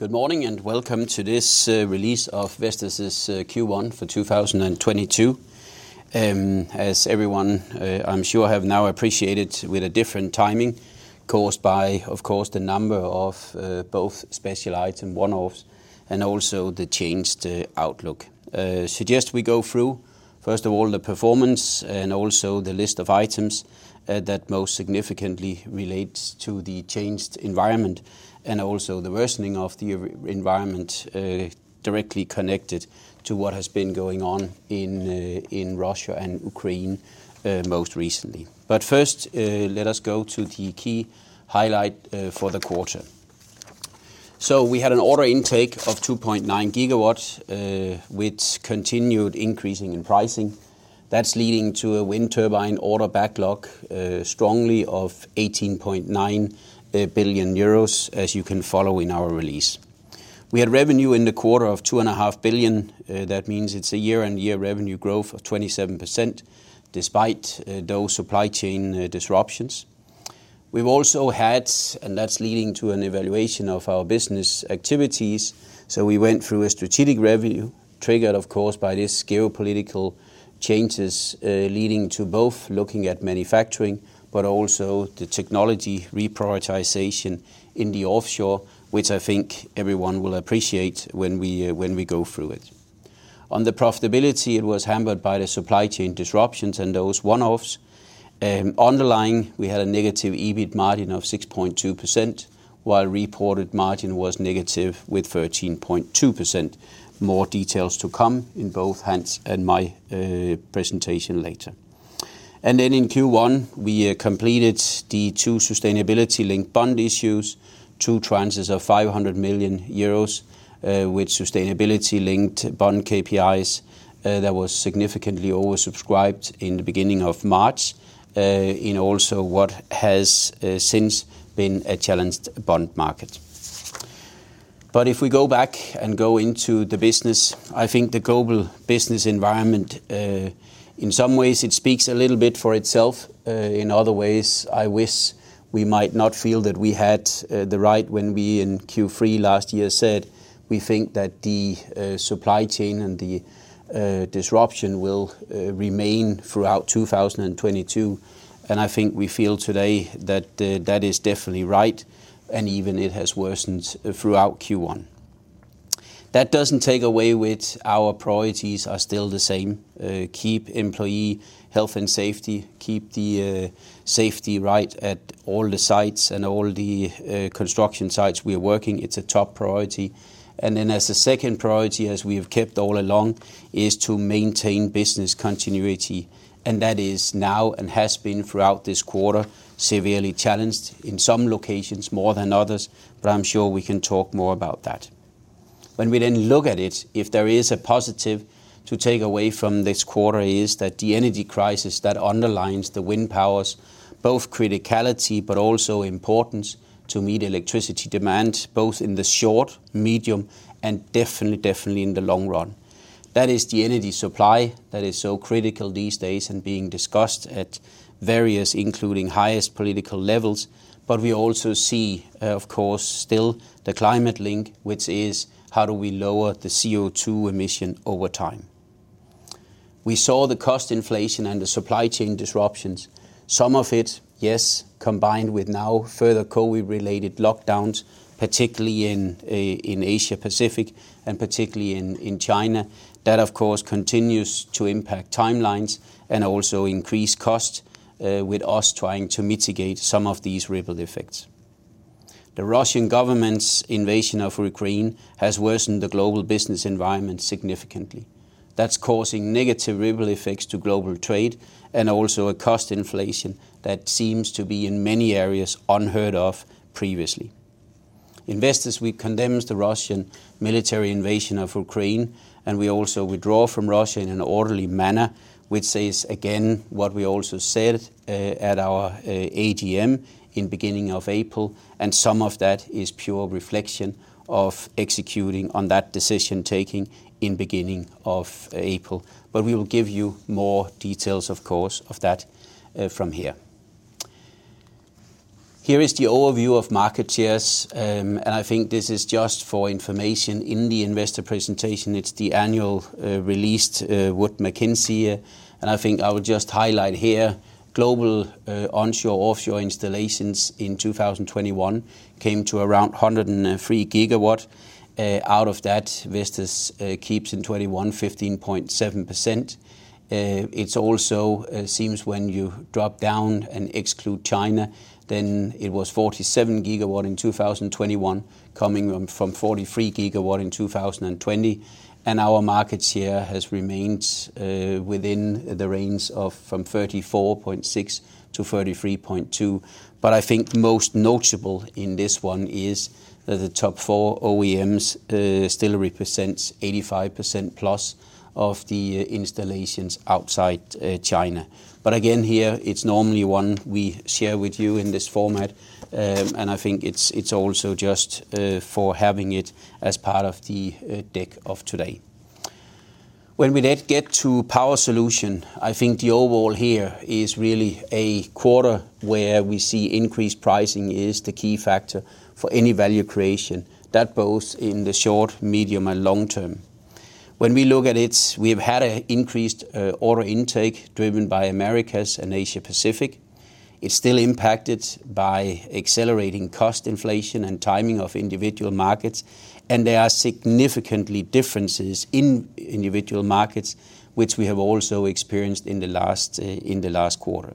Good morning and welcome to this release of Vestas' Q1 2022. As everyone, I'm sure have now appreciated with a different timing caused by, of course, the number of both special item one-offs and also the changed outlook. Suggest we go through, first of all, the performance and also the list of items that most significantly relates to the changed environment and also the worsening of the revenue environment directly connected to what has been going on in in Russia and Ukraine most recently. First, let us go to the key highlight for the quarter. We had an order intake of 2.9 GW which continued increasing in pricing. That's leading to a wind turbine order backlog strongly of 18.9 billion euros, as you can follow in our release. We had revenue in the quarter of two and a half billion. That means it's a year-on-year revenue growth of 27% despite those supply chain disruptions. We've also had that's leading to an evaluation of our business activities. We went through a strategic review, triggered of course, by these geopolitical changes, leading to both looking at manufacturing, but also the technology reprioritization in the offshore, which I think everyone will appreciate when we, when we go through it. On the profitability, it was hampered by the supply chain disruptions and those one-offs. Underlying, we had a negative EBIT margin of 6.2%, while reported margin was negative with 13.2%. More details to come in both Hans and my presentation later. Then in Q1, we completed the two sustainability-linked bond issues, two tranches of 500 million euros, with sustainability-linked bond KPIs, that was significantly oversubscribed in the beginning of March, in also what has since been a challenged bond market. If we go back and go into the business, I think the global business environment in some ways it speaks a little bit for itself. In other ways, I wish we might not feel that we had the right when we in Q3 last year said we think that the supply chain and the disruption will remain throughout 2022. I think we feel today that that is definitely right, and even it has worsened throughout Q1. That doesn't take away with our priorities are still the same. Keep employee health and safety, keep the safety right at all the sites and all the construction sites we are working. It's a top priority. Then as a second priority, as we have kept all along, is to maintain business continuity. That is now and has been throughout this quarter, severely challenged in some locations more than others. I'm sure we can talk more about that. When we then look at it, if there is a positive to take away from this quarter is that the energy crisis that underlines the wind power's both criticality, but also importance to meet electricity demand, both in the short, medium, and definitely in the long run. That is the energy supply that is so critical these days and being discussed at various, including highest political levels. We also see, of course, still the climate link, which is how do we lower the CO₂ emission over time. We saw the cost inflation and the supply chain disruptions. Some of it, yes, combined with now further COVID-related lockdowns, particularly in Asia-Pacific and particularly in China. That, of course, continues to impact timelines and also increase cost, with us trying to mitigate some of these ripple effects. The Russian government's invasion of Ukraine has worsened the global business environment significantly. That's causing negative ripple effects to global trade and also a cost inflation that seems to be in many areas unheard of previously. Investors, we condemn the Russian military invasion of Ukraine, and we also withdraw from Russia in an orderly manner, which says, again, what we also said at our AGM in beginning of April. Some of that is pure reflection of executing on that decision-taking in beginning of April. We will give you more details, of course, of that from here. Here is the overview of market shares. I think this is just for information. In the investor presentation, it's the annual release with McKinsey. I think I will just highlight here, global onshore, offshore installations in 2021 came to around 103 GW. Out of that, Vestas keeps in 2021, 15.7%. It also seems when you drop down and exclude China, then it was 47 GW in 2021, coming from 43 GW in 2020. Our market share has remained within the range of from 34.6%-33.2%. I think most notable in this one is the top four OEMs still represents 85%+ of the installations outside China. Again, here it's normally one we share with you in this format. I think it's also just for having it as part of the deck of today. When we then get to Power Solutions, I think the overall here is really a quarter where we see increased pricing is the key factor for any value creation. That both in the short, medium, and long term. When we look at it, we've had an increased order intake driven by Americas and Asia Pacific. It's still impacted by accelerating cost inflation and timing of individual markets, and there are significant differences in individual markets which we have also experienced in the last quarter.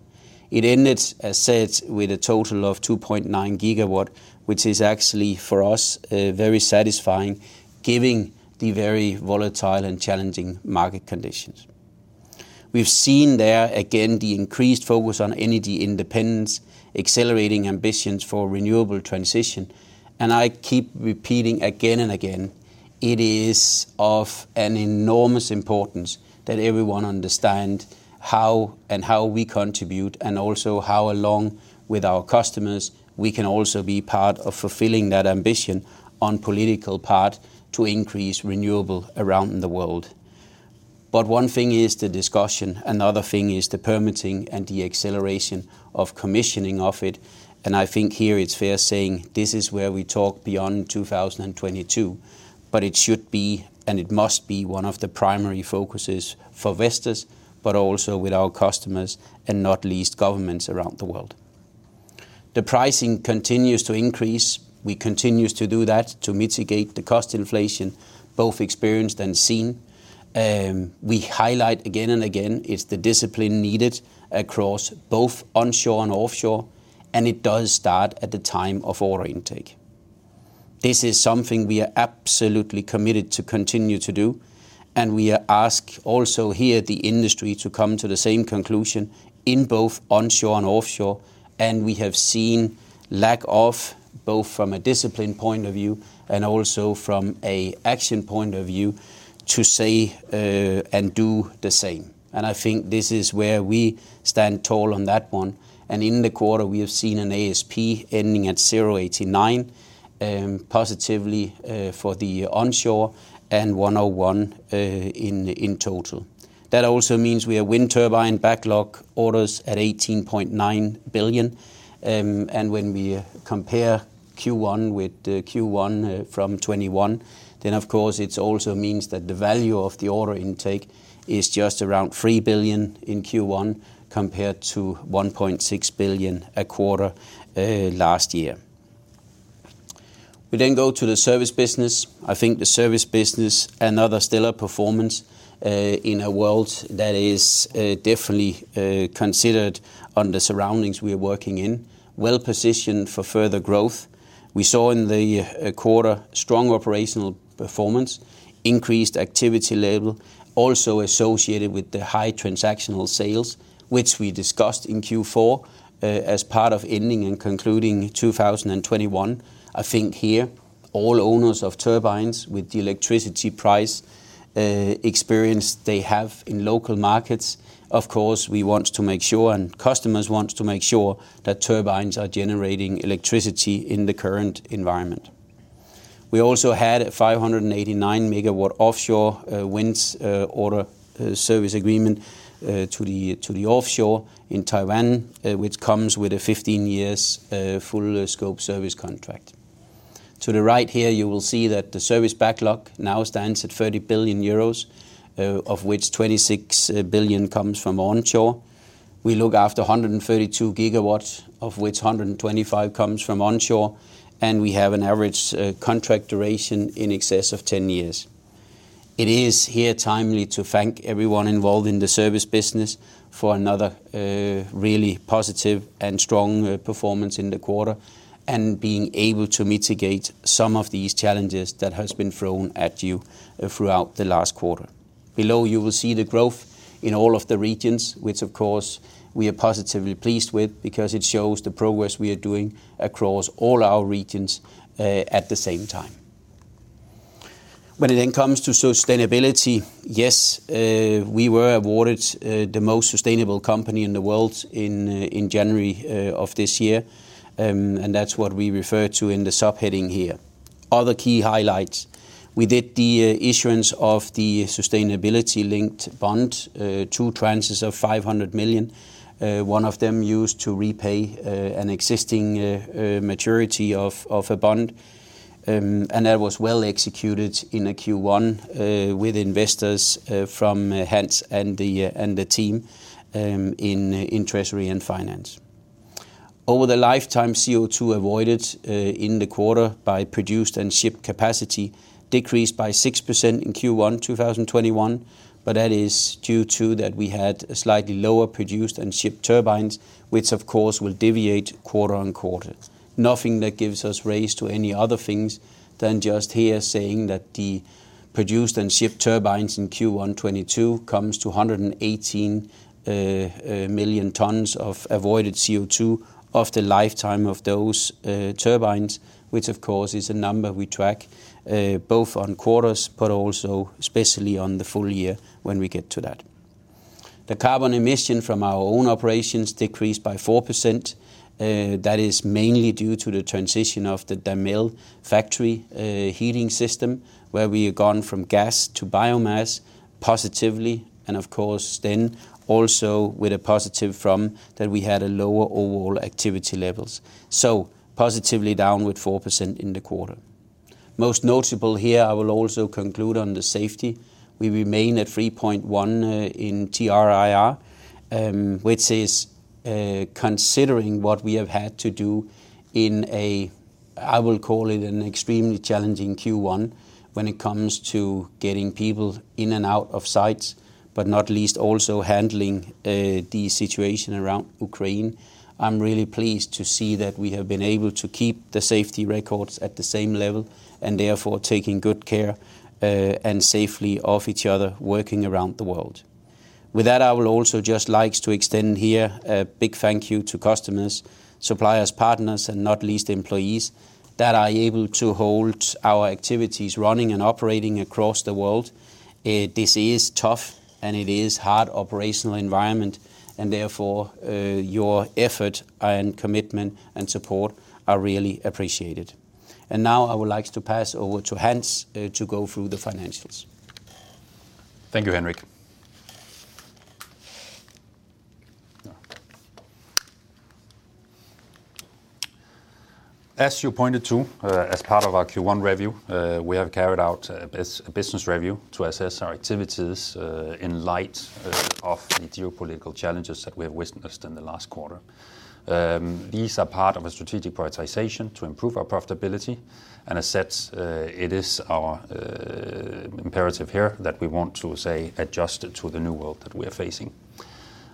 It ended, as said, with a total of 2.9 GW, which is actually for us very satisfying given the very volatile and challenging market conditions. We've seen there again the increased focus on energy independence, accelerating ambitions for renewable transition, and I keep repeating again and again, it is of an enormous importance that everyone understand how we contribute, and also how along with our customers we can also be part of fulfilling that ambition on political part to increase renewable around the world. One thing is the discussion, another thing is the permitting and the acceleration of commissioning of it, and I think here it's fair saying this is where we talk beyond 2022. It should be, and it must be one of the primary focuses for Vestas, but also with our customers and not least governments around the world. The pricing continues to increase. We continues to do that to mitigate the cost inflation, both experienced and seen. We highlight again and again it's the discipline needed across both onshore and offshore, and it does start at the time of order intake. This is something we are absolutely committed to continue to do, and we ask also here the industry to come to the same conclusion in both onshore and offshore. We have seen lack of, both from a discipline point of view and also from an action point of view, to say, and do the same. I think this is where we stand tall on that one. In the quarter we have seen an ASP ending at 0.89, positively, for the onshore, and 1.01 in total. That also means we have wind turbine backlog orders at 18.9 billion. When we compare Q1 with Q1 from 2021, then of course it's also means that the value of the order intake is just around 3 billion in Q1, compared to 1.6 billion a quarter last year. We then go to the service business. I think the service business, another stellar performance, in a world that is definitely considering the surroundings we are working in. Well-positioned for further growth. We saw in the quarter strong operational performance, increased activity level, also associated with the high transactional sales which we discussed in Q4, as part of ending and concluding 2021. I think here all owners of turbines with the electricity price experience they have in local markets, of course we want to make sure and customers want to make sure that turbines are generating electricity in the current environment. We also had a 589 MW offshore wind order service agreement to the offshore in Taiwan, which comes with a 15-year full scope service contract. To the right here you will see that the service backlog now stands at 30 billion euros, of which 26 billion comes from onshore. We look after 132 GW, of which 125 GW comes from onshore, and we have an average contract duration in excess of 10 years. It is here timely to thank everyone involved in the service business for another really positive and strong performance in the quarter, and being able to mitigate some of these challenges that has been thrown at you throughout the last quarter. Below you will see the growth in all of the regions, which of course we are positively pleased with because it shows the progress we are doing across all our regions at the same time. When it then comes to sustainability, yes, we were awarded the most sustainable company in the world in January of this year. That's what we refer to in the subheading here. Other key highlights. We did the issuance of the sustainability-linked bond, two tranches of 500 million. One of them used to repay an existing maturity of a bond. That was well executed in Q1 with investors from Hans and the team in Treasury and Finance. Over the lifetime CO2 avoided in the quarter by produced and shipped capacity decreased by 6% in Q1 2021, but that is due to that we had slightly lower produced and shipped turbines, which of course will deviate quarter-over-quarter. Nothing that gives us reason to any other things than just here saying that the produced and shipped turbines in Q1 2022 come to 118 million tons of avoided CO2 of the lifetime of those turbines, which of course is a number we track both on quarters but also especially on the full year when we get to that. The carbon emission from our own operations decreased by 4%. That is mainly due to the transition of the Daimiel factory heating system, where we have gone from gas to biomass positively, and of course then also with a positive from that we had a lower overall activity levels. Positively downward 4% in the quarter. Most notable here, I will also conclude on the safety. We remain at 3.1 in TRIR, which is, considering what we have had to do in a, I will call it an extremely challenging Q1 when it comes to getting people in and out of sites, but not least also handling the situation around Ukraine. I'm really pleased to see that we have been able to keep the safety records at the same level and therefore taking good care and safely of each other, working around the world. With that, I would also just like to extend here a big thank you to customers, suppliers, partners and not least employees that are able to hold our activities running and operating across the world. This is tough and it is hard operational environment and therefore, your effort and commitment and support are really appreciated. Now I would like to pass over to Hans to go through the financials. Thank you, Henrik. As you pointed to, as part of our Q1 review, we have carried out a business review to assess our activities in light of the geopolitical challenges that we have witnessed in the last quarter. These are part of a strategic prioritization to improve our profitability. As it is our imperative here that we want to stay adjusted to the new world that we are facing.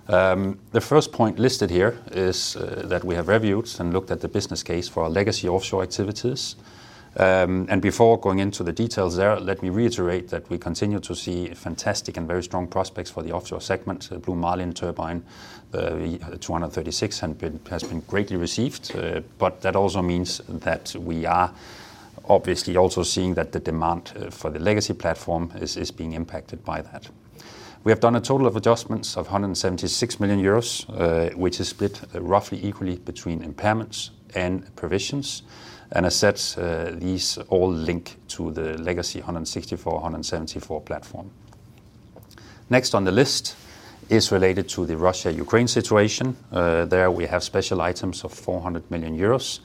The first point listed here is that we have reviewed and looked at the business case for our legacy offshore activities. Before going into the details there, let me reiterate that we continue to see fantastic and very strong prospects for the offshore segment. The Blue Marlin turbine, the 236, has been greatly received. That also means that we are obviously also seeing that the demand for the legacy platform is being impacted by that. We have done a total of adjustments of 176 million euros, which is split roughly equally between impairments and provisions. Assets, these all link to the legacy V164, V174 platform. Next on the list is related to the Russia-Ukraine situation. There we have special items of 400 million euros,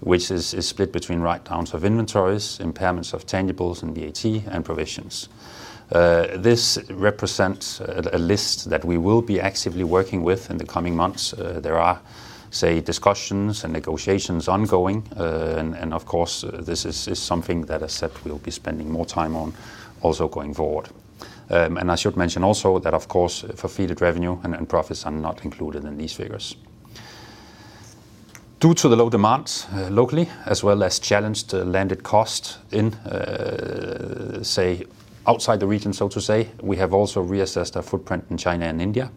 which is split between write-downs of inventories, impairments of tangibles and VAT and provisions. This represents a list that we will be actively working with in the coming months. There are, say, discussions and negotiations ongoing. Of course, this is something that we’ll be spending more time on also going forward. I should mention also that of course fulfilled revenue and profits are not included in these figures. Due to the low demands locally as well as challenged landed cost in, say outside the region, so to say, we have also reassessed our footprint in China and India.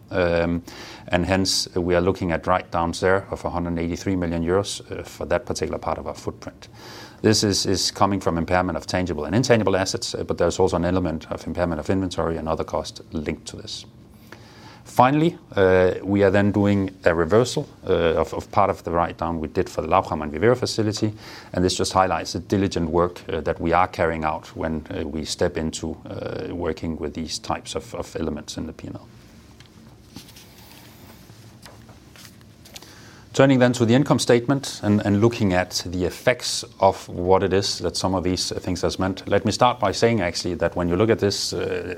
Hence we are looking at write-downs there of 183 million euros for that particular part of our footprint. This is coming from impairment of tangible and intangible assets, but there's also an element of impairment of inventory and other costs linked to this. Finally, we are then doing a reversal of part of the write down we did for the Lauchhammer and Viveiro facility, and this just highlights the diligent work that we are carrying out when we step into working with these types of elements in the P&L. Turning then to the income statement and looking at the effects of what it is that some of these things has meant. Let me start by saying actually that when you look at this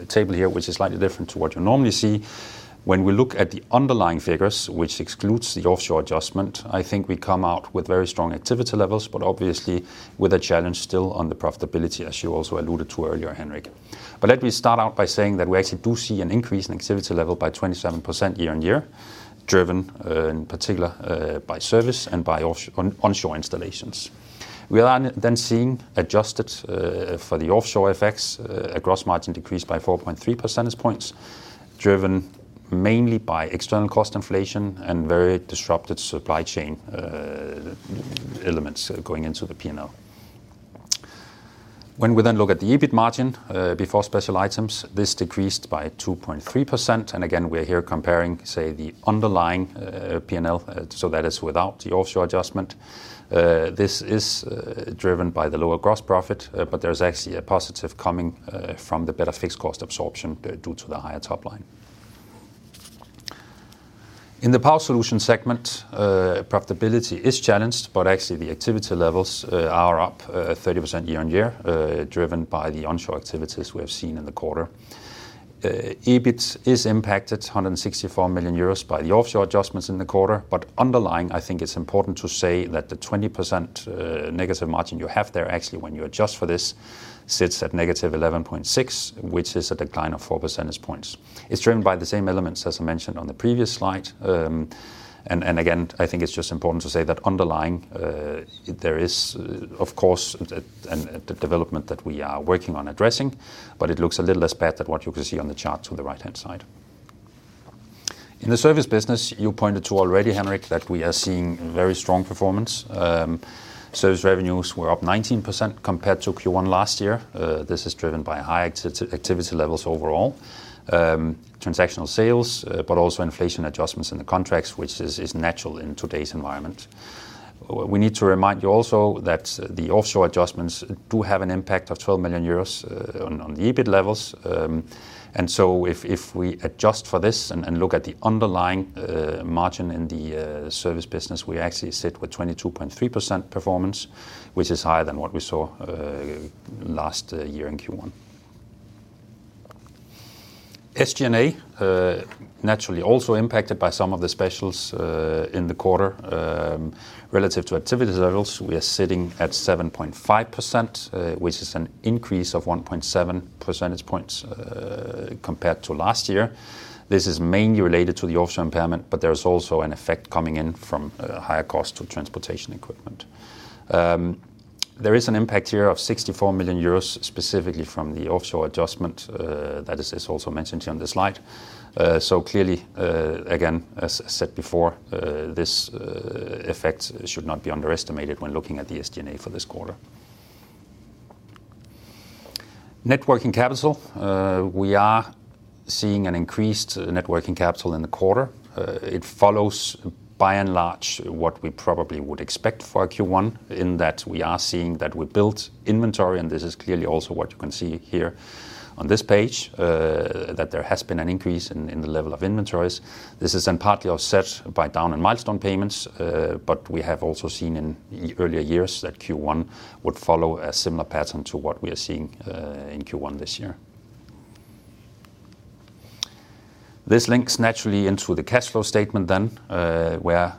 table here, which is slightly different to what you normally see. When we look at the underlying figures, which excludes the offshore adjustment, I think we come out with very strong activity levels, but obviously with a challenge still on the profitability, as you also alluded to earlier, Henrik. Let me start out by saying that we actually do see an increase in activity level by 27% year-on-year, driven in particular by service and by offshore and onshore installations. We are then seeing, adjusted for the offshore effects, a gross margin decreased by 4.3 percentage points, driven mainly by external cost inflation and very disrupted supply chain elements going into the P&L. When we then look at the EBIT margin before special items, this decreased by 2.3%. Again, we are here comparing, say, the underlying P&L, so that is without the offshore adjustment. This is driven by the lower gross profit, but there's actually a positive coming from the better fixed cost absorption due to the higher top line. In the Power Solutions segment, profitability is challenged, but actually the activity levels are up 30% year-on-year, driven by the onshore activities we have seen in the quarter. EBIT is impacted 164 million euros by the offshore adjustments in the quarter. Underlying, I think it's important to say that the 20% negative margin you have there, actually when you adjust for this, sits at negative 11.6%, which is a decline of 4 percentage points. It's driven by the same elements as I mentioned on the previous slide. Again, I think it's just important to say that underlying, there is of course the development that we are working on addressing, but it looks a little less bad than what you can see on the chart to the right-hand side. In the service business, you pointed to already, Henrik, that we are seeing very strong performance. Service revenues were up 19% compared to Q1 last year. This is driven by high activity levels overall. Transactional sales, but also inflation adjustments in the contracts, which is natural in today's environment. We need to remind you also that the offshore adjustments do have an impact of 12 million euros on the EBIT levels. If we adjust for this and look at the underlying margin in the service business, we actually sit with 22.3% performance, which is higher than what we saw last year in Q1. SG&A naturally also impacted by some of the specials in the quarter. Relative to activity levels, we are sitting at 7.5%, which is an increase of 1.7 percentage points compared to last year. This is mainly related to the offshore impairment, but there is also an effect coming in from higher cost of transportation equipment. There is an impact here of 64 million euros, specifically from the offshore adjustment that is also mentioned here on this slide. Clearly, again, as said before, this effect should not be underestimated when looking at the SG&A for this quarter. Net working capital, we are seeing an increased net working capital in the quarter. It follows by and large what we probably would expect for a Q1, in that we are seeing that we built inventory, and this is clearly also what you can see here on this page, that there has been an increase in the level of inventories. This is then partly offset by down in milestone payments, but we have also seen in earlier years that Q1 would follow a similar pattern to what we are seeing in Q1 this year. This links naturally into the cash flow statement then, where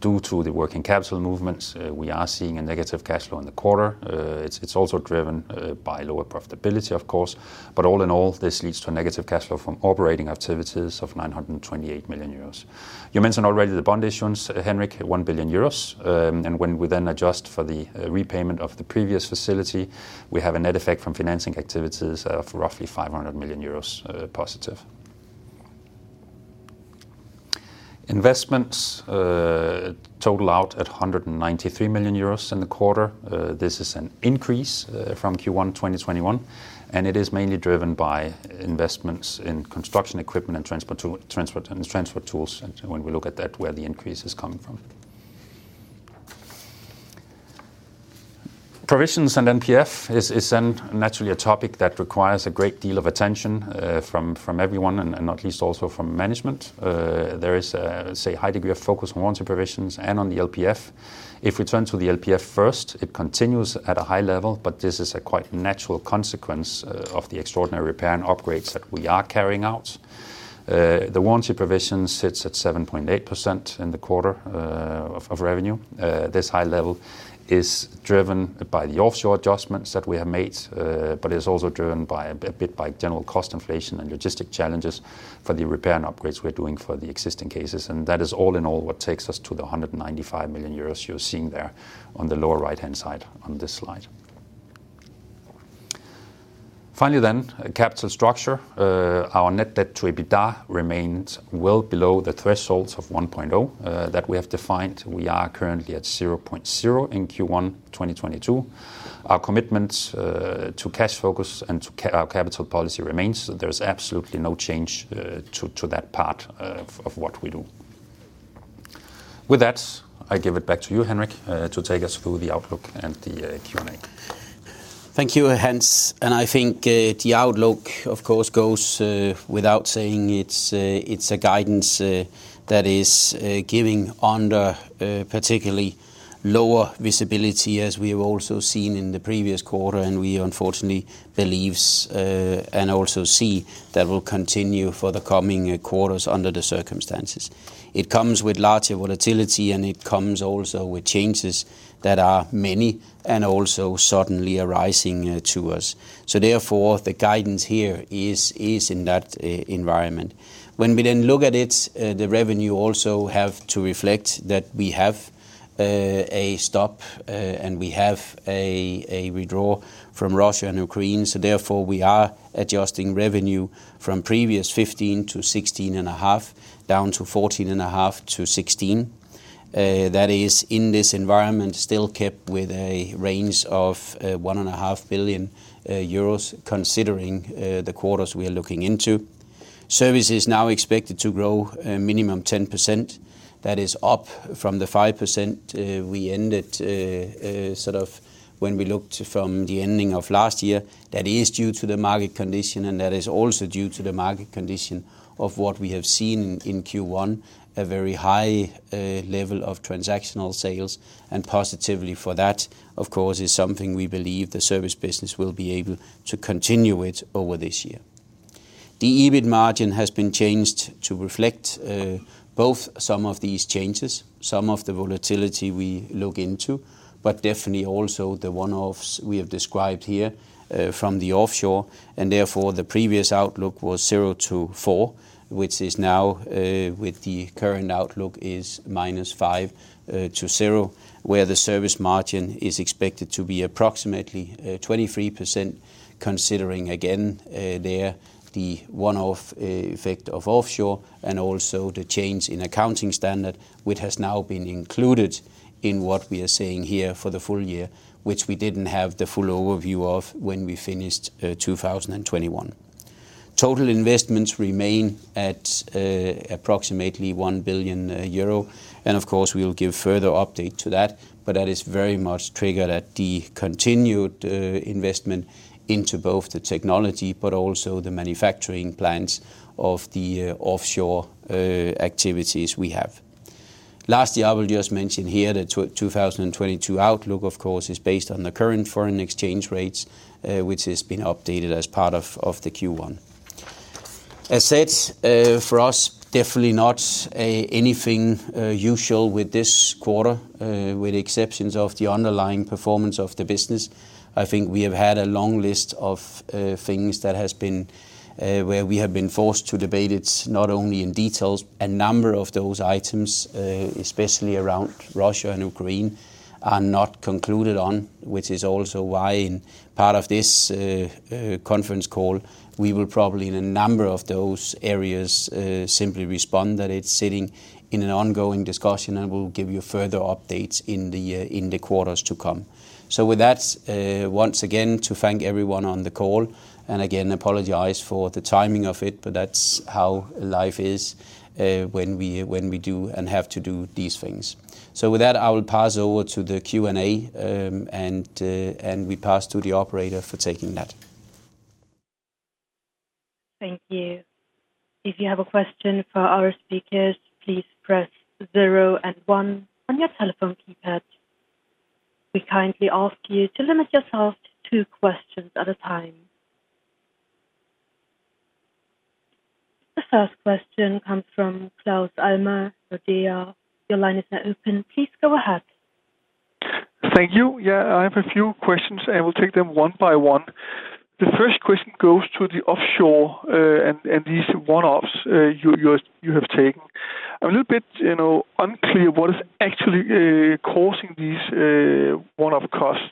due to the working capital movements, we are seeing a negative cash flow in the quarter. It's also driven by lower profitability, of course. All in all, this leads to a negative cash flow from operating activities of 928 million euros. You mentioned already the bond issuance, Henrik, at 1 billion euros. When we then adjust for the repayment of the previous facility, we have a net effect from financing activities of roughly 500 million euros, positive. Investments total out at 193 million euros in the quarter. This is an increase from Q1 2021, and it is mainly driven by investments in construction equipment and transport and transfer tools. When we look at that, where the increase is coming from. Provisions and LPF is then naturally a topic that requires a great deal of attention, from everyone and not least also from management. There is, say, a high degree of focus on warranty provisions and on the LPF. If we turn to the LPF first, it continues at a high level, but this is a quite natural consequence of the extraordinary repair and upgrades that we are carrying out. The warranty provision sits at 7.8% in the quarter of revenue. This high level is driven by the offshore adjustments that we have made, but is also driven by a bit by general cost inflation and logistic challenges for the repair and upgrades we're doing for the existing cases. That is all in all what takes us to 195 million euros you're seeing there on the lower right-hand side on this slide. Finally, capital structure. Our net debt to EBITDA remains well below the thresholds of 1.0 that we have defined. We are currently at 0.0 in Q1 2022. Our commitments to cash focus and our capital policy remains. There is absolutely no change to that part of what we do. With that, I give it back to you, Henrik, to take us through the outlook and the Q&A. Thank you, Hans. I think the outlook, of course, goes without saying it's a guidance that is given under particularly lower visibility as we have also seen in the previous quarter. We unfortunately believe and also see that will continue for the coming quarters under the circumstances. It comes with larger volatility, and it comes also with changes that are many and also suddenly arising to us. The guidance here is in that environment. When we then look at it, the revenue also have to reflect that we have a stop and a withdrawal from Russia and Ukraine. We are adjusting revenue from previous 15-16.5, down to 14.5-16. That is in this environment still kept with a range of 1.5 billion euros considering the quarters we are looking into. Service is now expected to grow a minimum 10%. That is up from the 5% we ended sort of when we looked from the ending of last year. That is due to the market condition, and that is also due to the market condition of what we have seen in Q1, a very high level of transactional sales. Positively for that, of course, is something we believe the service business will be able to continue it over this year. The EBIT margin has been changed to reflect both some of these changes, some of the volatility we look into, but definitely also the one-offs we have described here from the offshore. Therefore, the previous outlook was 0%-4%, which is now, with the current outlook, -5%-0%, where the service margin is expected to be approximately 23%, considering again the one-off effect of offshore and also the change in accounting standard, which has now been included in what we are saying here for the full year, which we didn't have the full overview of when we finished 2021. Total investments remain at approximately 1 billion euro. Of course, we will give further update to that, but that is very much triggered by the continued investment into both the technology but also the manufacturing plants of the offshore activities we have. Lastly, I will just mention here that 2022 outlook, of course, is based on the current foreign exchange rates, which has been updated as part of the Q1. As said, for us, definitely not anything usual with this quarter, with the exceptions of the underlying performance of the business. I think we have had a long list of things that has been where we have been forced to debate it not only in details. A number of those items, especially around Russia and Ukraine, are not concluded on, which is also why in part of this conference call, we will probably in a number of those areas simply respond that it's sitting in an ongoing discussion, and we'll give you further updates in the quarters to come. With that, once again to thank everyone on the call, and again apologize for the timing of it, but that's how life is, when we do and have to do these things. With that, I will pass over to the Q&A, and we pass to the operator for taking that. Thank you. If you have a question for our speakers, please press zero and one on your telephone keypad. We kindly ask you to limit yourself to two questions at a time. The first question comes from Claus Almer, Nordea. Your line is now open. Please go ahead. Thank you. Yeah, I have a few questions, and we'll take them one by one. The first question goes to the offshore and these one-offs you have taken. I'm a little bit, you know, unclear what is actually causing these one-off costs.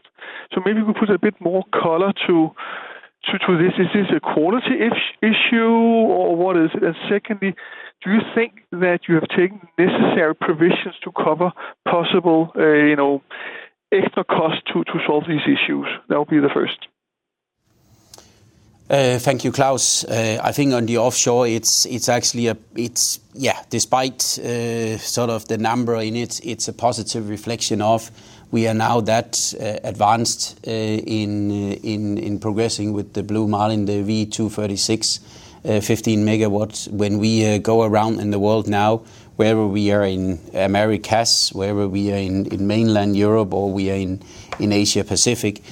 So maybe we put a bit more color to this. Is this a quality issue, or what is it? And secondly, do you think that you have taken necessary provisions to cover possible, you know, extra costs to solve these issues? That would be the first. Thank you, Claus. I think on the offshore, it's actually a positive reflection of we are now that advanced in progressing with the Blue Marlin, the V236, 15 MW. When we go around in the world now, whether we are in Americas, whether we are in mainland Europe or we are in Asia Pacific,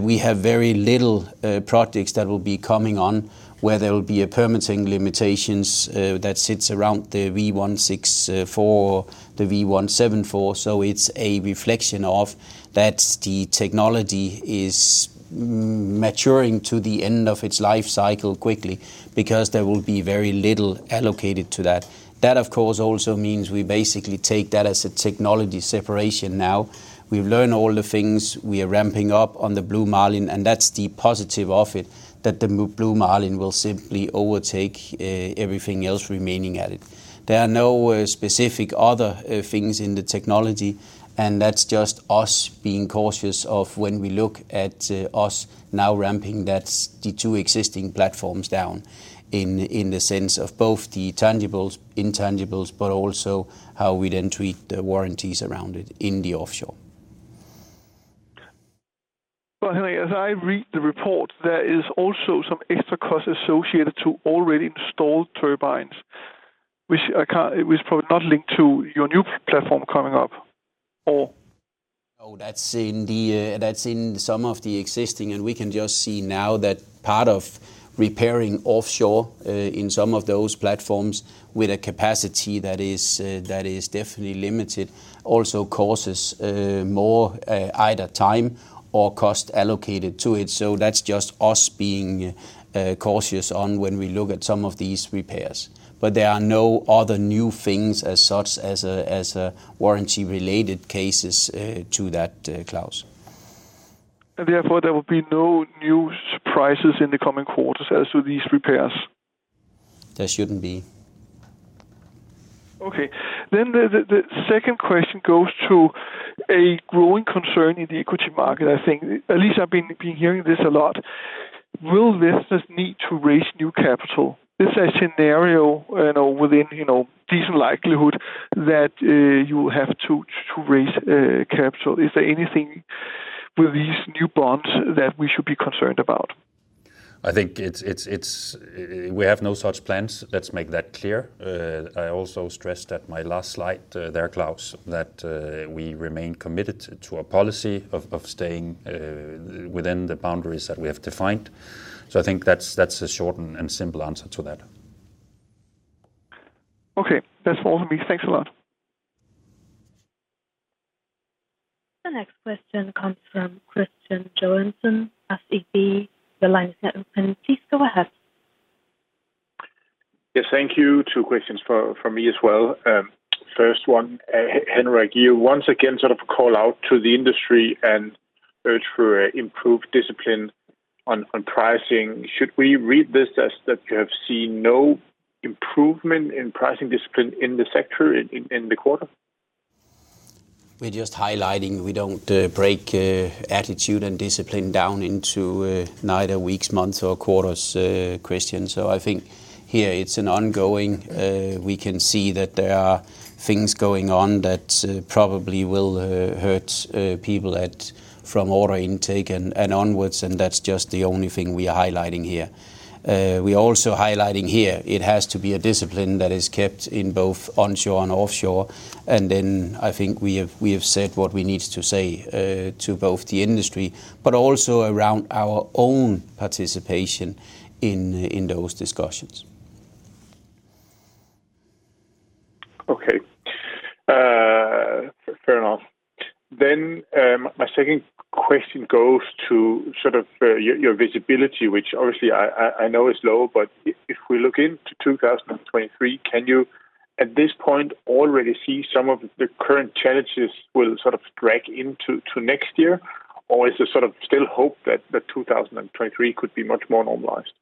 we have very little projects that will be coming on where there will be a permitting limitations that sits around the V164, the V174. So it's a reflection of that the technology is maturing to the end of its life cycle quickly because there will be very little allocated to that. That, of course, also means we basically take that as a technology separation now. We've learned all the things, we are ramping up on the Blue Marlin, and that's the positive of it, that the Blue Marlin will simply overtake everything else remaining at it. There are no specific other things in the technology, and that's just us being cautious of when we look at us now ramping that's the two existing platforms down in the sense of both the tangibles, intangibles, but also how we then treat the warranties around it in the offshore. Henrik, as I read the report, there is also some extra costs associated to already installed turbines. It was probably not linked to your new platform coming up or. No, that's in some of the existing, and we can just see now that part of repairing offshore in some of those platforms with a capacity that is definitely limited also causes more either time or cost allocated to it. That's just us being cautious on when we look at some of these repairs. There are no other new things as such as a warranty-related cases to that, Claus. Therefore, there will be no new surprises in the coming quarters as to these repairs. There shouldn't be. Okay. The second question goes to a growing concern in the equity market, I think. At least I've been hearing this a lot. Will investors need to raise new capital? Is there a scenario, you know, within, you know, decent likelihood that you will have to raise capital? Is there anything with these new bonds that we should be concerned about? I think it's. We have no such plans. Let's make that clear. I also stressed at my last slide, there, Claus, that we remain committed to a policy of staying within the boundaries that we have defined. I think that's a short and simple answer to that. Okay. That's all for me. Thanks a lot. The next question comes from Kristian Johansen, SEB. Your line is now open. Please go ahead. Yes, thank you. Two questions from me as well. First one, Henrik, you once again sort of call out to the industry and urge for improved discipline on pricing. Should we read this as that you have seen no improvement in pricing discipline in the sector in the quarter? We're just highlighting, we don't break attitude and discipline down into neither weeks, months, or quarters, Kristian. I think here it's an ongoing, we can see that there are things going on that probably will hurt people from order intake and onwards, and that's just the only thing we are highlighting here. We are also highlighting here it has to be a discipline that is kept in both onshore and offshore. I think we have said what we need to say to both the industry, but also around our own participation in those discussions. Okay. Fair enough. My second question goes to sort of your visibility, which obviously I know is low. But if we look into 2023, can you at this point already see some of the current challenges will sort of drag into next year? Or is there sort of still hope that 2023 could be much more normalized?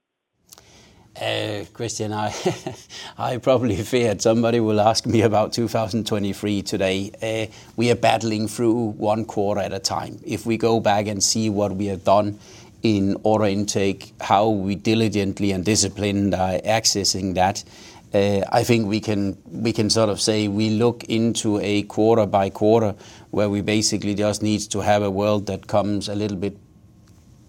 Christian, I probably feared somebody will ask me about 2023 today. We are battling through one quarter at a time. If we go back and see what we have done in order intake, how we diligently and disciplined are accessing that, I think we can sort of say we look into a quarter by quarter where we basically just need to have a world that comes a little bit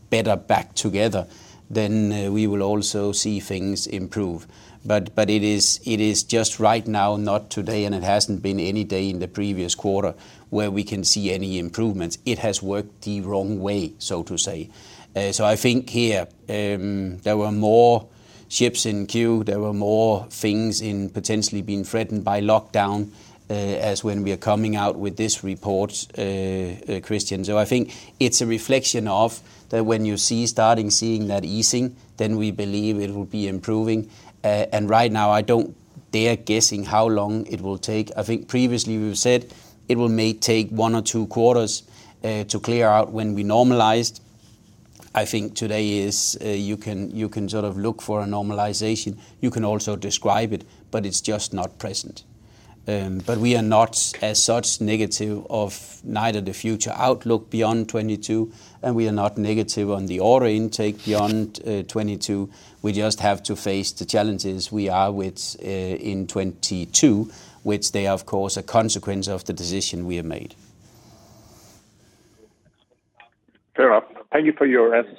better back together, then we will also see things improve. It is just right now, not today, and it hasn't been any day in the previous quarter where we can see any improvements. It has worked the wrong way, so to say. I think here, there were more ships in queue. There were more things potentially being threatened by lockdown, as when we are coming out with this report, Kristian. I think it's a reflection of that when you see that easing, then we believe it'll be improving. Right now, I don't dare guessing how long it will take. I think previously we've said it may take one or two quarters to clear out when we normalized. I think today is, you can sort of look for a normalization. You can also describe it, but it's just not present. We are not as such negative on either the future outlook beyond 2022, and we are not negative on the order intake beyond 2022. We just have to face the challenges we are with, in 2022, which they are, of course, a consequence of the decision we have made. Fair enough. Thank you for your answer.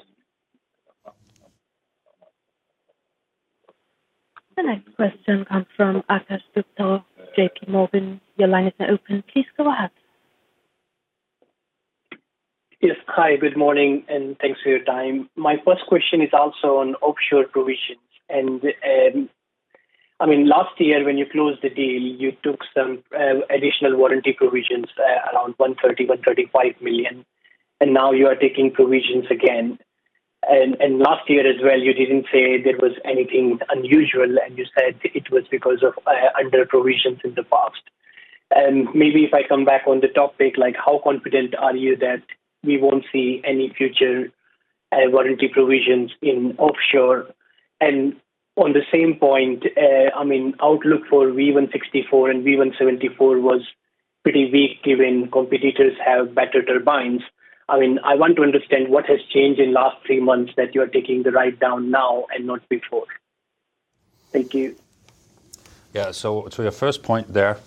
The next question comes from Akash Gupta of J.P. Morgan. Your line is now open. Please go ahead. Yes. Hi, good morning, and thanks for your time. My first question is also on offshore provisions. I mean, last year when you closed the deal, you took some additional warranty provisions around 130 million-135 million, and now you are taking provisions again. Last year as well, you didn't say there was anything unusual, and you said it was because of under provisions in the past. Maybe if I come back on the topic, like how confident are you that we won't see any future warranty provisions in offshore? On the same point, I mean, outlook for V164 and V174 was pretty weak given competitors have better turbines. I mean, I want to understand what has changed in last three months that you are taking the write down now and not before. Thank you. Yeah. To your first point there,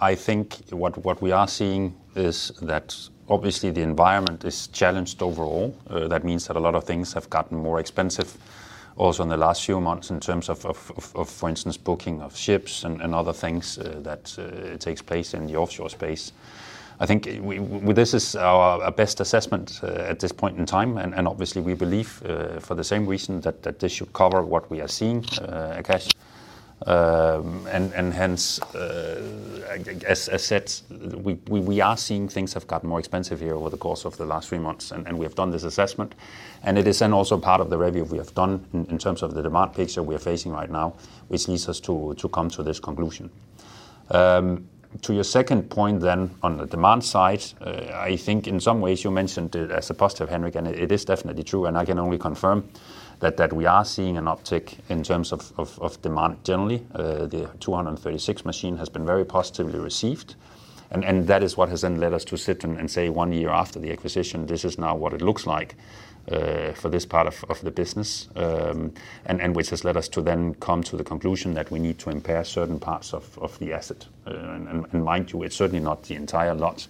I think what we are seeing is that obviously the environment is challenged overall. That means that a lot of things have gotten more expensive also in the last few months in terms of, for instance, booking of ships and other things that takes place in the offshore space. I think this is our best assessment at this point in time. Obviously we believe for the same reason that this should cover what we are seeing, Akash. Hence, as said, we are seeing things have gotten more expensive here over the course of the last three months, and we have done this assessment. It is then also part of the review we have done in terms of the demand picture we are facing right now, which leads us to come to this conclusion. To your second point then on the demand side, I think in some ways you mentioned it as a positive, Henrik, and it is definitely true, and I can only confirm that we are seeing an uptick in terms of demand generally. The 236 machine has been very positively received. That is what has then led us to sit and say one year after the acquisition, this is now what it looks like for this part of the business. Which has led us to then come to the conclusion that we need to impair certain parts of the asset. Mind you, it's certainly not the entire lot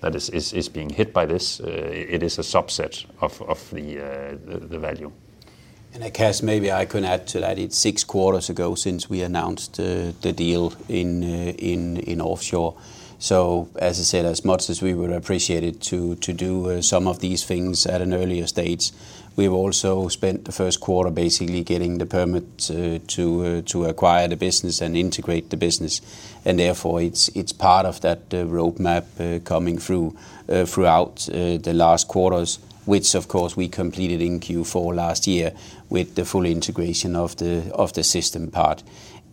that is being hit by this. It is a subset of the value. Akash, maybe I could add to that. It's six quarters ago since we announced the deal in offshore. As I said, as much as we would appreciate it to do some of these things at an earlier stage, we've also spent the first quarter basically getting the permit to acquire the business and integrate the business. Therefore, it's part of that roadmap coming through throughout the last quarters, which of course we completed in Q4 last year with the full integration of the system part.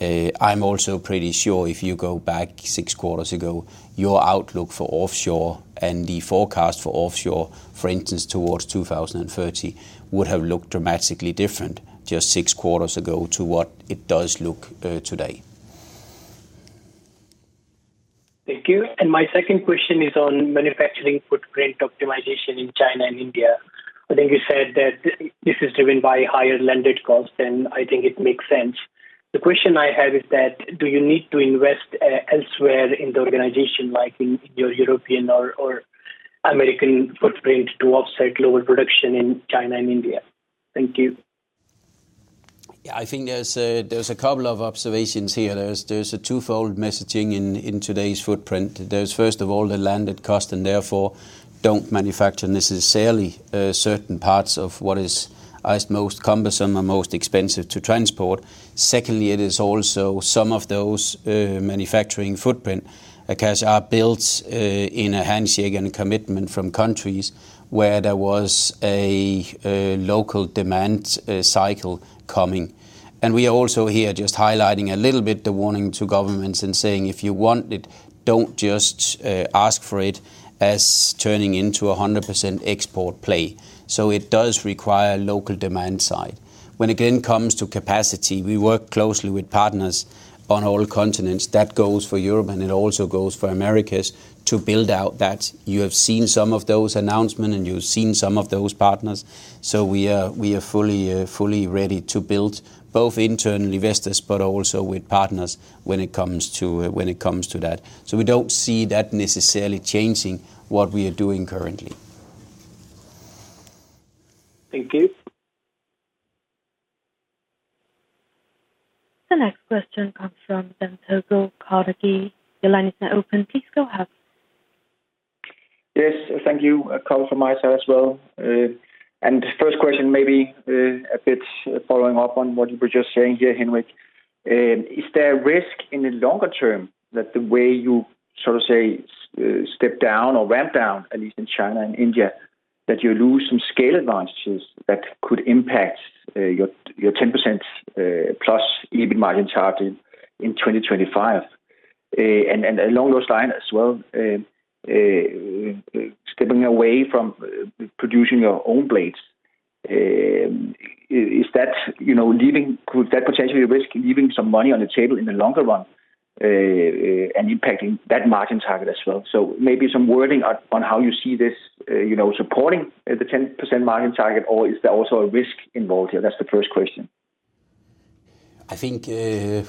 I'm also pretty sure if you go back 6 quarters ago, your outlook for offshore and the forecast for offshore, for instance, towards 2030, would have looked dramatically different just 6 quarters ago to what it does look today. Thank you. My second question is on manufacturing footprint optimization in China and India. I think you said that this is driven by higher landed costs, and I think it makes sense. The question I have is that do you need to invest elsewhere in the organization, like in your European or American footprint to offset lower production in China and India? Thank you. Yeah. I think there's a couple of observations here. There's a twofold messaging in today's footprint. There's first of all, the landed cost, and therefore, don't manufacture necessarily certain parts of what is the most cumbersome and most expensive to transport. Secondly, it is also some of those manufacturing footprint are built in a handshake and commitment from countries where there was a local demand cycle coming. We are also here just highlighting a little bit the warning to governments and saying, "If you want it, don't just ask for it as turning into a 100% export play." It does require local demand side. When it again comes to capacity, we work closely with partners on all continents. That goes for Europe, and it also goes for Americas to build out that. You have seen some of those announcements, and you've seen some of those partners. We are fully ready to build both internal investors, but also with partners when it comes to that. We don't see that necessarily changing what we are doing currently. Thank you. The next question comes from Dan Togo Jensen, Carnegie. Your line is now open. Please go ahead. Yes, thank you. Carl from my side as well. First question may be a bit following up on what you were just saying here, Henrik. Is there a risk in the longer term that the way you sort of say step down or ramp down, at least in China and India, that you lose some scale advantages that could impact your 10%+ EBIT margin target in 2025? And along those lines as well, stepping away from producing your own blades, is that, you know, could that potentially risk leaving some money on the table in the longer run, and impacting that margin target as well? Maybe some wording on how you see this, you know, supporting the 10% margin target, or is there also a risk involved here? That's the first question. I think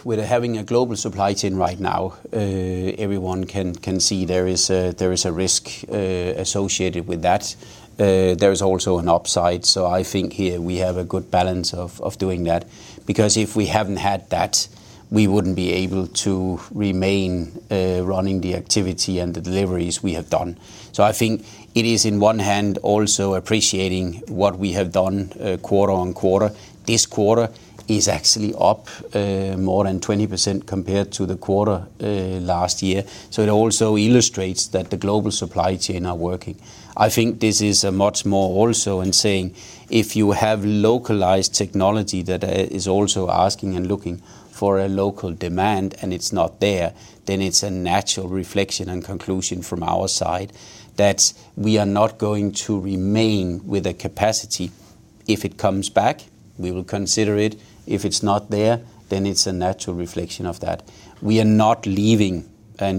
with having a global supply chain right now, everyone can see there is a risk associated with that. There is also an upside. I think here we have a good balance of doing that. Because if we haven't had that, we wouldn't be able to remain running the activity and the deliveries we have done. I think it is in one hand also appreciating what we have done quarter on quarter. This quarter is actually up more than 20% compared to the quarter last year. It also illustrates that the global supply chain are working. I think this is a much more also in saying, if you have localized technology that is also asking and looking for a local demand and it's not there, then it's a natural reflection and conclusion from our side that we are not going to remain with a capacity. If it comes back, we will consider it. If it's not there, then it's a natural reflection of that. We are not leaving. We are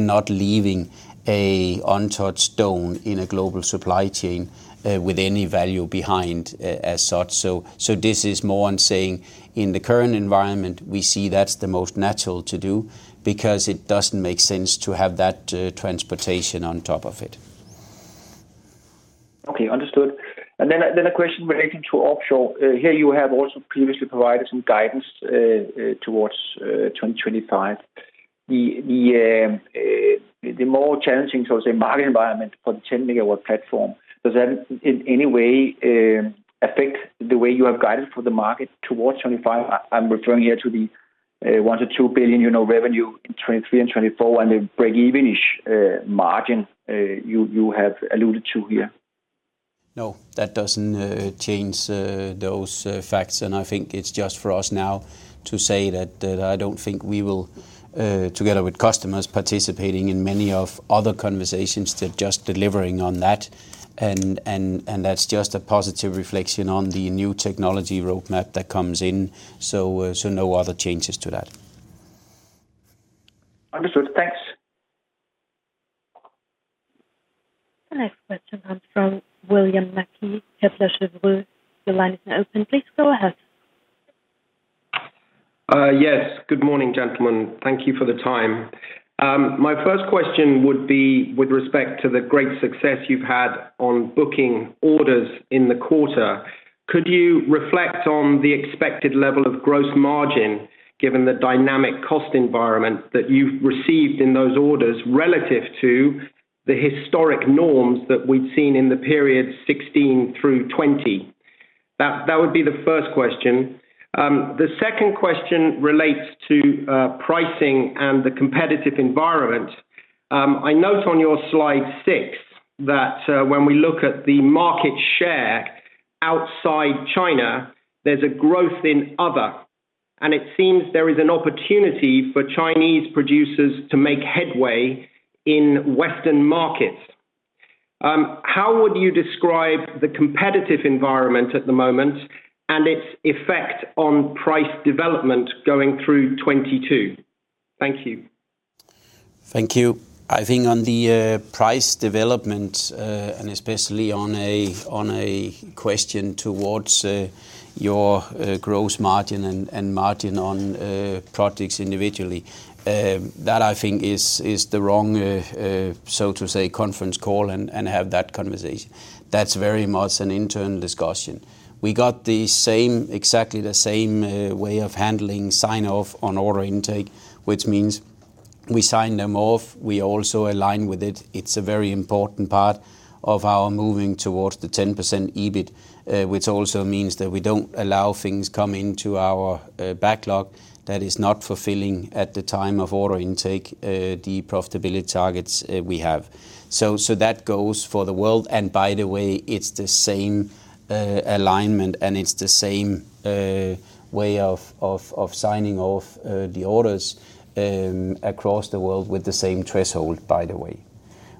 not leaving any stone untouched in a global supply chain with any value behind as such. This is more on saying, in the current environment, we see that's the most natural to do because it doesn't make sense to have that transportation on top of it. Okay. Understood. A question relating to offshore. Here you have also previously provided some guidance towards 2025. The more challenging, so to say, market environment for the 10 MW platform, does that in any way affect the way you have guided for the market towards 2025? I'm referring here to the 1 billion-2 billion, you know, revenue in 2023 and 2024 and the break-even-ish margin you have alluded to here. No. That doesn't change those facts. I think it's just for us now to say that I don't think we will together with customers participating in many other conversations. They're just delivering on that. That's just a positive reflection on the new technology roadmap that comes in. No other changes to that. Understood. Thanks. The next question comes from William Mackie, Kepler Cheuvreux. Your line is now open. Please go ahead. Yes. Good morning, gentlemen. Thank you for the time. My first question would be with respect to the great success you've had on booking orders in the quarter. Could you reflect on the expected level of gross margin, given the dynamic cost environment that you've received in those orders relative to the historic norms that we've seen in the period 2016 through 2020? That would be the first question. The second question relates to pricing and the competitive environment. I note on your slide six that when we look at the market share outside China, there's a growth in other, and it seems there is an opportunity for Chinese producers to make headway in Western markets. How would you describe the competitive environment at the moment and its effect on price development going through 2022? Thank you. Thank you. I think on the price development and especially on a question towards your gross margin and margin on products individually, that I think is the wrong so to say conference call and have that conversation. That's very much an internal discussion. We got the same, exactly the same, way of handling sign off on order intake, which means we sign them off. We also align with it. It's a very important part of our moving towards the 10% EBIT, which also means that we don't allow things come into our backlog that is not fulfilling at the time of order intake, the profitability targets we have. That goes for the world. By the way, it's the same alignment and the same way of signing off the orders across the world with the same threshold, by the way.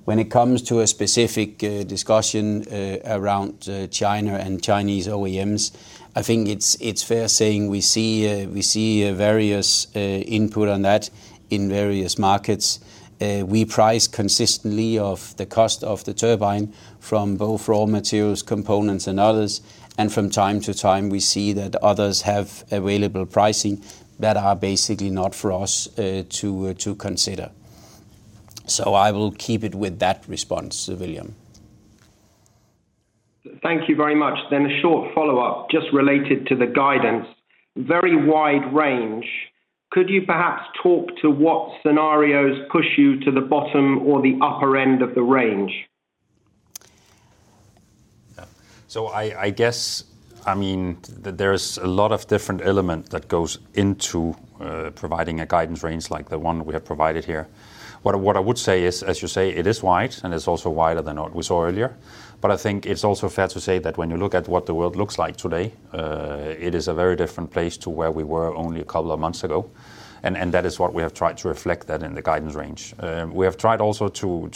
When it comes to a specific discussion around China and Chinese OEMs, I think it's fair to say we see various input on that in various markets. We price consistently off the cost of the turbine from both raw materials, components and others. From time to time, we see that others have available pricing that are basically not for us to consider. I will keep it with that response, William Mackie. Thank you very much. A short follow-up just related to the guidance. Very wide range. Could you perhaps talk to what scenarios push you to the bottom or the upper end of the range? I guess, I mean, there's a lot of different element that goes into providing a guidance range like the one we have provided here. What I would say is, as you say, it is wide, and it's also wider than what we saw earlier. I think it's also fair to say that when you look at what the world looks like today, it is a very different place to where we were only a couple of months ago. That is what we have tried to reflect that in the guidance range. We have tried also to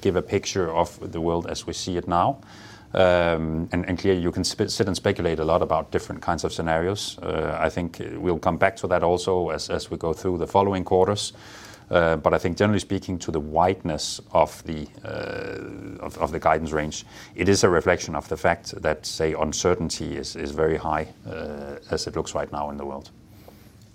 give a picture of the world as we see it now. Clearly you can sit and speculate a lot about different kinds of scenarios. I think we'll come back to that also as we go through the following quarters. I think generally speaking to the wideness of the guidance range, it is a reflection of the fact that, say, uncertainty is very high, as it looks right now in the world.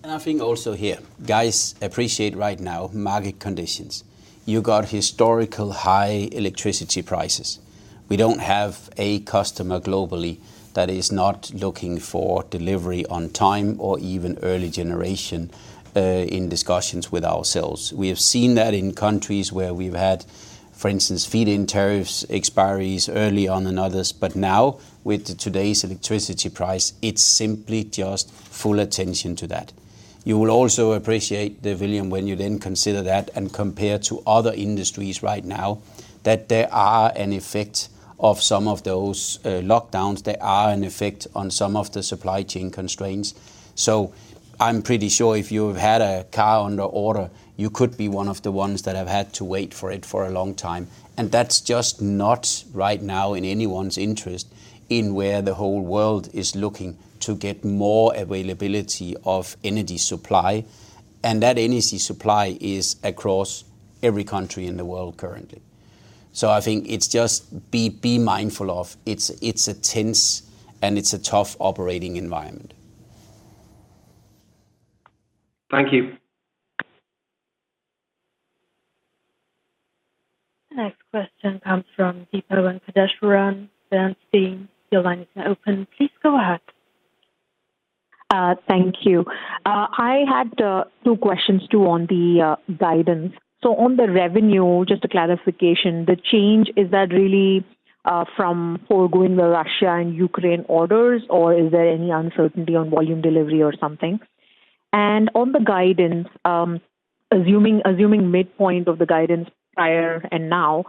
I think also here, guys appreciate right now market conditions. You got historical high electricity prices. We don't have a customer globally that is not looking for delivery on time or even early generation in discussions with ourselves. We have seen that in countries where we've had, for instance, feed-in tariffs, expiries early on in others, but now with today's electricity price, it's simply just full attention to that. You will also appreciate the volume when you then consider that and compare to other industries right now that there are an effect of some of those lockdowns. There are an effect on some of the supply chain constraints. I'm pretty sure if you've had a car under order, you could be one of the ones that have had to wait for it for a long time. That's just not right now in anyone's interest in where the whole world is looking to get more availability of energy supply. That energy supply is across every country in the world currently. I think it's just be mindful of, it's a tense and it's a tough operating environment. Thank you. Next question comes from Deepa Venkateswaran. Bernstein, your line is now open. Please go ahead. Thank you. I had two questions too on the guidance. On the revenue, just a clarification, the change, is that really from foregoing the Russia and Ukraine orders, or is there any uncertainty on volume delivery or something? On the guidance, assuming midpoint of the guidance prior and now,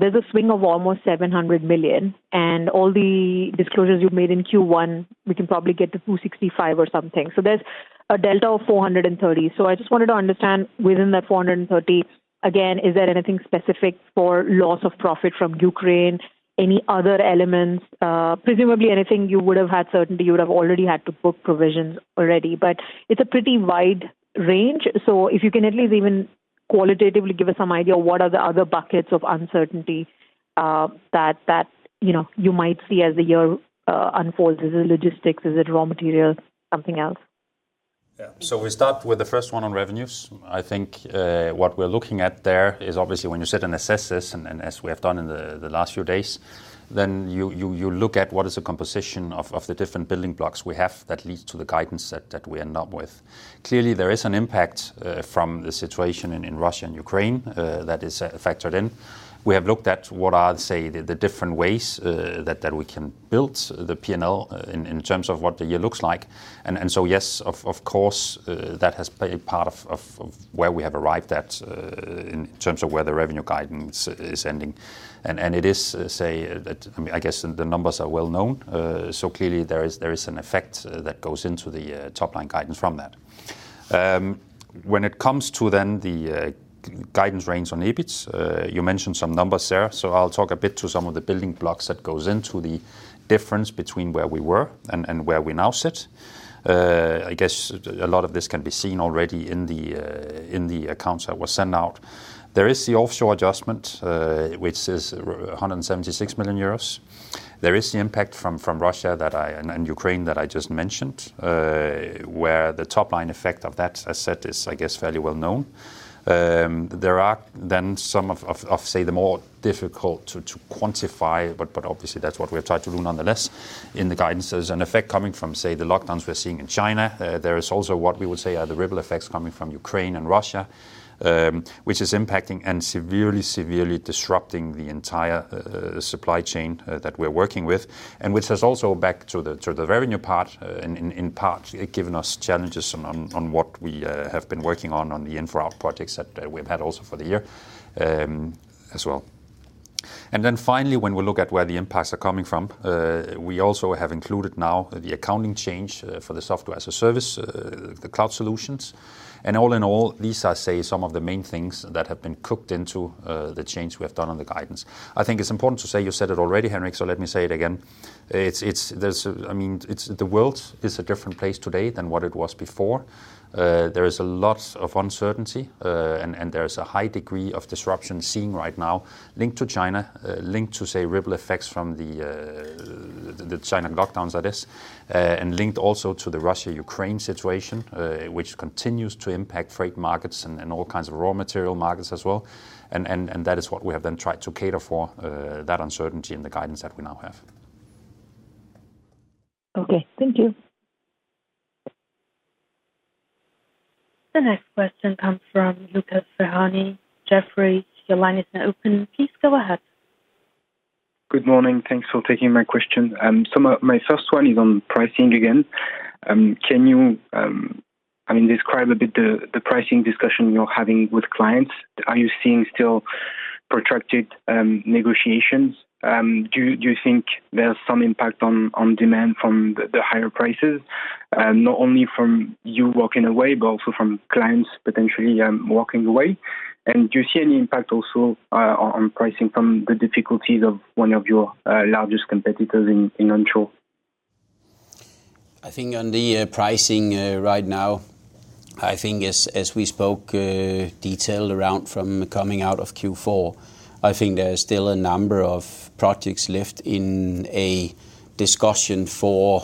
there's a swing of almost 700 million. All the disclosures you've made in Q1, we can probably get to 265 or something. There's a delta of 430. I just wanted to understand within that 430, again, is there anything specific for loss of profit from Ukraine? Any other elements? Presumably anything you would have had certainty, you would have already had to book provisions already. It's a pretty wide range. If you can at least even qualitatively give us some idea of what are the other buckets of uncertainty, that you know, you might see as the year unfolds. Is it logistics? Is it raw materials? Something else? Yeah. We start with the first one on revenues. I think, what we're looking at there is obviously when you sit and assess this, and as we have done in the last few days, then you look at what is the composition of the different building blocks we have that leads to the guidance that we end up with. Clearly, there is an impact from the situation in Russia and Ukraine that is factored in. We have looked at what are, say, the different ways that we can build the P&L in terms of what the year looks like. Yes, of course, that has been part of where we have arrived at in terms of where the revenue guidance is ending. I mean, I guess the numbers are well known. Clearly there is an effect that goes into the top-line guidance from that. When it comes to then the guidance range on EBIT, you mentioned some numbers there, so I'll talk a bit to some of the building blocks that goes into the difference between where we were and where we now sit. I guess a lot of this can be seen already in the accounts that were sent out. There is the offshore adjustment, which is 176 million euros. There is the impact from Russia and Ukraine that I just mentioned, where the top-line effect of that, as said, is I guess, fairly well known. There are some of say the more difficult to quantify, but obviously that's what we have tried to do nonetheless in the guidances. An effect coming from, say, the lockdowns we're seeing in China. There is also what we would say are the ripple effects coming from Ukraine and Russia, which is impacting and severely disrupting the entire supply chain that we're working with, and which has also back to the warranty part in part given us challenges on what we have been working on the in for out projects that we've had also for the year, as well. Finally, when we look at where the impacts are coming from, we also have included now the accounting change for the software as a service, the cloud solutions. All in all, these I say some of the main things that have been cooked into the change we have done on the guidance. I think it's important to say, you said it already, Henrik, so let me say it again. It's. I mean, the world is a different place today than what it was before. There is a lot of uncertainty, and there's a high degree of disruption seen right now linked to China, linked to, say, ripple effects from the China lockdowns, and linked also to the Russia-Ukraine situation, which continues to impact freight markets and all kinds of raw material markets as well. That is what we have then tried to cater for, that uncertainty in the guidance that we now have. Okay, thank you. The next question comes from Lucas Ferhani. Jefferies, your line is now open. Please go ahead. Good morning. Thanks for taking my question. My first one is on pricing again. Can you, I mean, describe a bit the pricing discussion you're having with clients. Are you seeing still protracted negotiations? Do you think there's some impact on demand from the higher prices, not only from you walking away, but also from clients potentially walking away? Do you see any impact also on pricing from the difficulties of one of your largest competitors in onshore? I think on the pricing right now, I think as we spoke detailed around from coming out of Q4, I think there is still a number of projects left in a discussion for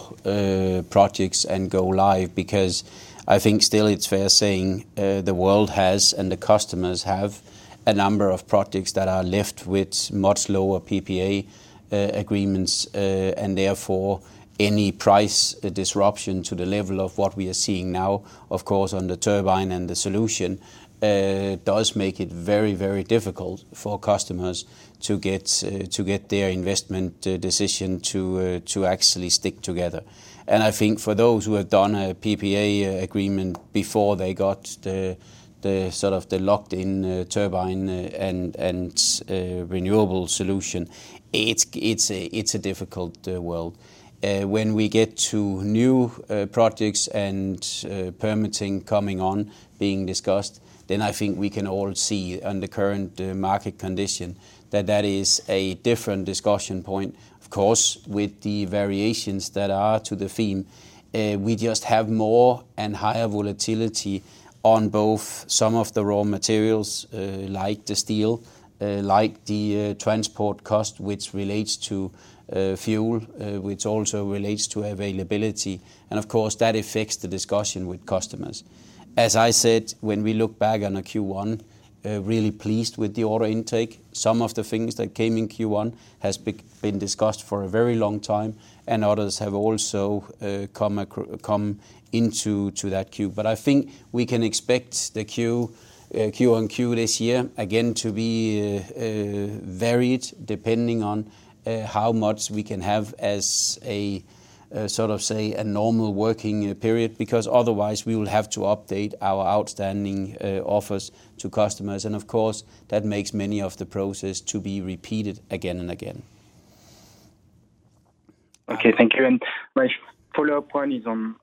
projects and go live, because I think still it's fair saying the world has and the customers have a number of projects that are left with much lower PPA agreements. Therefore, any price disruption to the level of what we are seeing now, of course, on the turbine and the solution does make it very, very difficult for customers to get to get their investment decision to actually stick together. I think for those who have done a PPA agreement before they got the sort of the locked-in turbine and renewable solution, it's a difficult world. When we get to new projects and permitting coming on being discussed, then I think we can all see on the current market condition that that is a different discussion point. Of course, with the variations that are to the theme, we just have more and higher volatility on both some of the raw materials, like the steel, like the transport cost, which relates to fuel, which also relates to availability. Of course, that affects the discussion with customers. As I said, when we look back on the Q1, really pleased with the order intake. Some of the things that came in Q1 has been discussed for a very long time, and others have also come into that queue. I think we can expect the Q on Q this year again to be varied depending on how much we can have as a sort of say a normal working period, because otherwise we will have to update our outstanding offers to customers. Of course, that makes many of the process to be repeated again and again. Okay, thank you. My follow-up one is on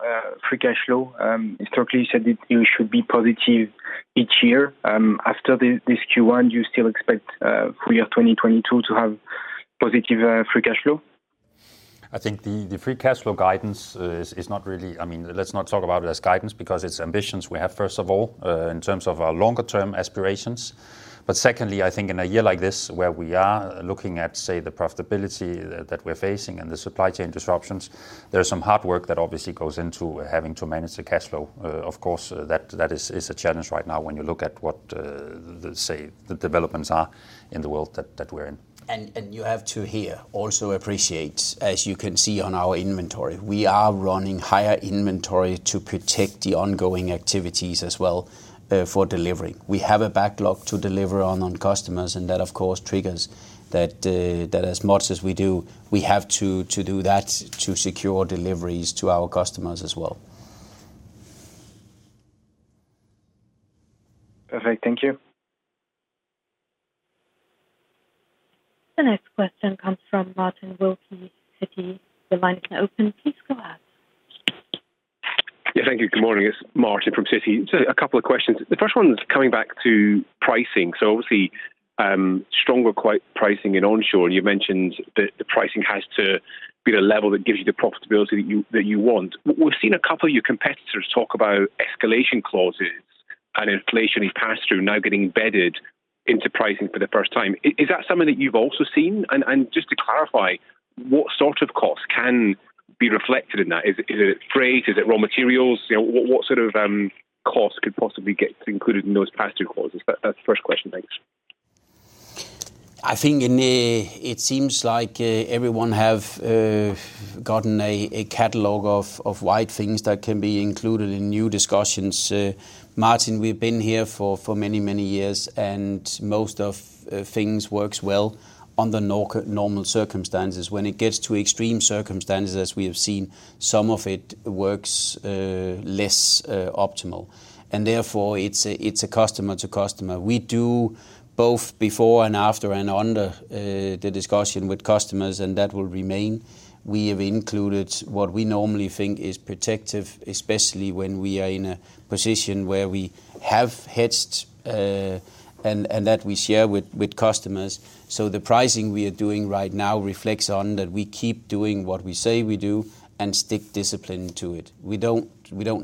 free cash flow. Historically you said that you should be positive each year. After this Q1, do you still expect for year 2022 to have positive free cash flow? I think the free cash flow guidance is not really. I mean, let's not talk about it as guidance because it's ambitions we have, first of all, in terms of our longer term aspirations. Second, I think in a year like this where we are looking at, say, the profitability that we're facing and the supply chain disruptions, there's some hard work that obviously goes into having to manage the cash flow. Of course, that is a challenge right now when you look at what, say, the developments are in the world that we're in. You have to here also appreciate, as you can see on our inventory, we are running higher inventory to protect the ongoing activities as well, for delivery. We have a backlog to deliver on customers, and that of course triggers that as much as we do, we have to do that to secure deliveries to our customers as well. Perfect. Thank you. The next question comes from Martin Wilkie, Citi. The line is now open. Please go ahead. Yeah, thank you. Good morning. It's Martin Wilkie from Citi. A couple of questions. The first one's coming back to pricing. Obviously, stronger CPI-pricing in onshore. You mentioned that the pricing has to be at a level that gives you the profitability that you want. We've seen a couple of your competitors talk about escalation clauses and inflation is passed through now getting embedded into pricing for the first time. Is that something that you've also seen? And just to clarify, what sort of costs can be reflected in that? Is it freight? Is it raw materials? You know, what sort of costs could possibly get included in those escalation clauses? That's the first question. Thanks. It seems like everyone have gotten a catalog of wide things that can be included in new discussions. Martin, we've been here for many years, and most of things works well under normal circumstances. When it gets to extreme circumstances, as we have seen, some of it works less optimal, and therefore it's a customer to customer. We do both before and after and under the discussion with customers, and that will remain. We have included what we normally think is protective, especially when we are in a position where we have hedged and that we share with customers. The pricing we are doing right now reflects on that we keep doing what we say we do and stick discipline to it. We don't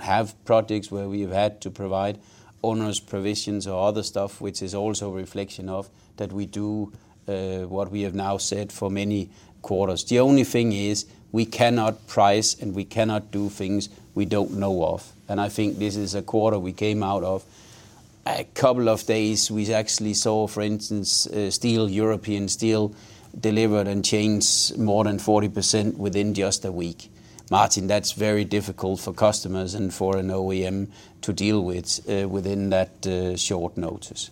have projects where we have had to provide onerous provisions or other stuff, which is also a reflection of that we do what we have now said for many quarters. The only thing is we cannot price, and we cannot do things we don't know of, and I think this is a quarter we came out of. A couple of days we actually saw, for instance, steel, European steel delivered and changed more than 40% within just a week. Martin, that's very difficult for customers and for an OEM to deal with within that short notice.